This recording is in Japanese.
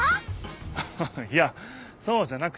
ハハハいやそうじゃなくて